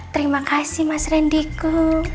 terima kasih mas randy ku